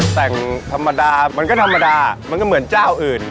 แต่งธรรมดามันก็ธรรมดามันก็เหมือนเจ้าอื่น